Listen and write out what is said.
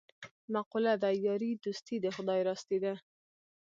مقوله ده: یاري دوستي د خدای راستي ده.